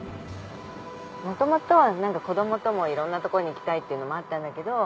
元々子どもともいろんな所に行きたいっていうのもあったんだけど